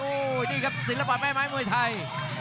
โอ้โหนี่ครับศิลปะแม่ไม้มวยไทย